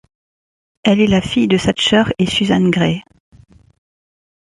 Elle est la fille de Thatcher et Susan Grey.